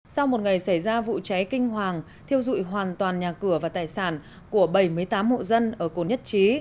sau một ngày xảy ra vụ cháy kinh hoàng thiêu dụi hoàn toàn nhà cửa và tài sản của bảy mươi tám hộ dân ở cổ nhất trí